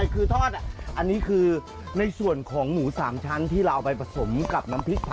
คือทอดอันนี้คือในส่วนของหมู๓ชั้นที่เราเอาไปผสมกับน้ำพริกผั